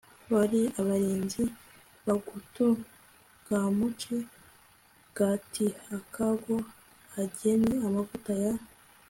bari abarinzi. kagutui ka mucii gatihakagwo ageni amavuta ya